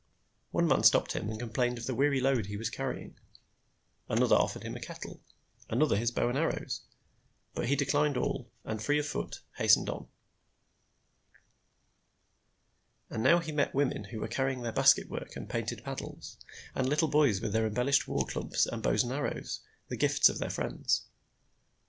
One man stopped him and complained of the weary load he was carrying. Another offered him a kettle; another his bow and arrows; but he declined all, and, free of foot, hastened on. And now he met women who were carrying their basket work and painted paddles, and little boys with their embellished war clubs and bows and arrows, the gifts of their friends.